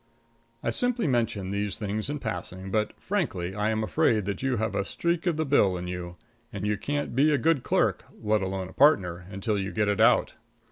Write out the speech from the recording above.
I simply mention these things in passing, but, frankly, I am afraid that you have a streak of the Bill in you; and you can't be a good clerk, let alone a partner, until you get it out.